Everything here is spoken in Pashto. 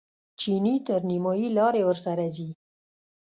چیني تر نیمایي لارې ورسره ځي.